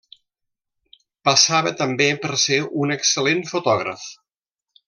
Passava també per ser un excel·lent fotògraf.